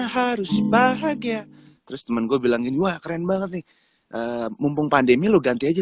harus bahagia terus temen gue bilang ini wah keren banget nih mumpung pandemi lo ganti aja